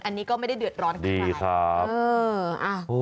อันนี้ก็ไม่ได้เดือดร้อนขนาดนั้น